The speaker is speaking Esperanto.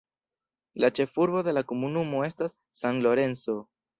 La ĉefurbo de la komunumo estas San Lorenzo.